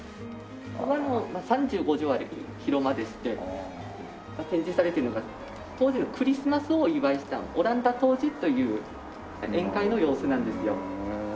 ここは３５畳ある広間でして展示されているのが当時のクリスマスをお祝いした「阿蘭陀冬至」という宴会の様子なんですよ。